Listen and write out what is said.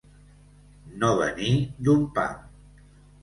No venir d'un pam.